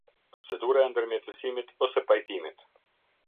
Procedura e ndërmjetësimit ose pajtimit.